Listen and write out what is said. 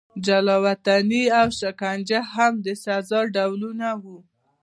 جلا وطني او شکنجه هم د سزا ډولونه وو.